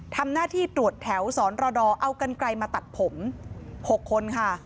ทำหน้าที่ตรวจแถวสรดอเอากันไกลมาตัดผม๖คนค่ะ